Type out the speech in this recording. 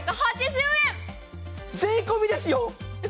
税込みですよ。